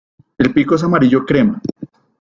El pico es amarillo crema.